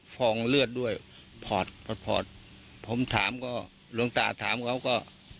โฟงเลือดด้วยผอดผมถามก็หลวงตาถามเขาก็